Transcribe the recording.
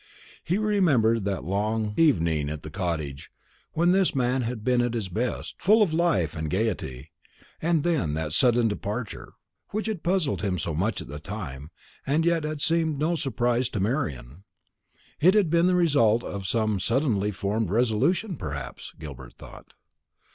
He remembered that last long evening at the cottage, when this man had been at his best, full of life and gaiety; and then that sudden departure, which had puzzled him so much at the time, and yet had seemed no surprise to Marian. It had been the result of some suddenly formed resolution perhaps, Gilbert thought.